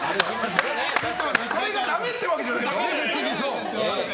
それがダメってわけじゃないんだよ。